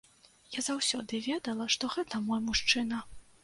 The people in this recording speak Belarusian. Я заўсёды ведала, што гэта мой мужчына.